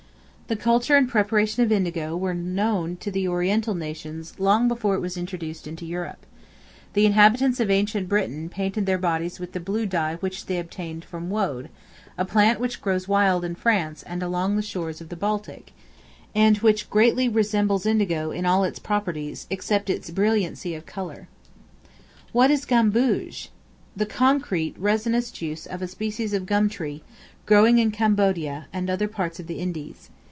The culture and preparation of indigo were known to the Oriental nations long before it was introduced into Europe. The inhabitants of ancient Britain painted their bodies with the blue dye which they obtained from woad, a plant which grows wild in France and along the shores of the Baltic, and which greatly resembles indigo in all its properties, except its brilliancy of color. Brilliancy, brightness. What is Gamboge? The concrete resinous juice of a species of gum tree, growing in Cambodia, and other parts of the Indies.